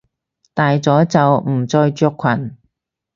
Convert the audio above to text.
大咗就唔再着裙！